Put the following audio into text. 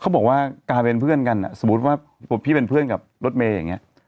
กลายเป็นเพื่อนกันอ่ะสมมุติว่าพี่เป็นเพื่อนกับรถเมย์อย่างนี้